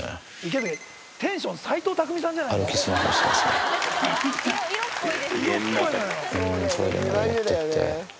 池崎テンション斎藤工さんじゃないかもう。